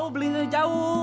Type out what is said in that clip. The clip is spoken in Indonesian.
jauh belinya jauh